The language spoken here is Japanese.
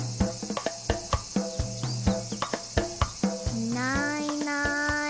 いないいない。